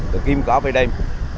rồi kim có vây đêm